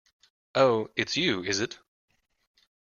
Oh, it's you, is it?